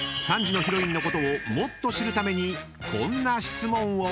［３時のヒロインのことをもっと知るためにこんな質問を］